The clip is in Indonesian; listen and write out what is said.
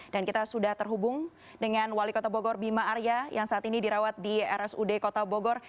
kita sudah terhubung dengan wali kota bogor bima arya yang saat ini dirawat di rsud kota bogor